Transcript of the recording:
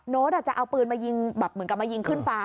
จะเอาปืนมายิงแบบเหมือนกับมายิงขึ้นฟ้า